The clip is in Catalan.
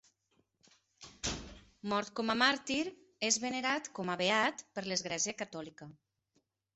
Mort com a màrtir, és venerat com a beat per l'Església Catòlica.